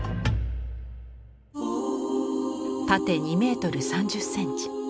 縦２メートル３０センチ。